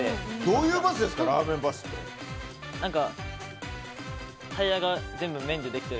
どういうバスですかラーメンバスって。